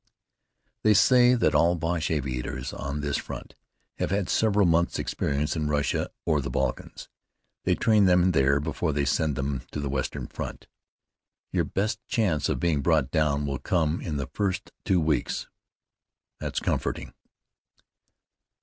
"They say that all the Boche aviators on this front have had several months' experience in Russia or the Balkans. They train them there before they send them to the Western Front." "Your best chance of being brought down will come in the first two weeks." "That's comforting."